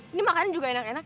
ini makanan juga enak enak